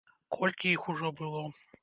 Колькі іх ужо было?